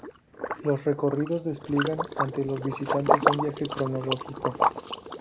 Los recorridos despliegan ante los visitantes un viaje cronológico.